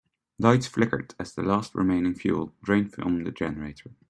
Lights flickered as the last remaining fuel drained from the generator.